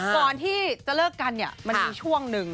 ก่อนที่จะเลิกกันเนี่ยมันมีช่วงหนึ่ง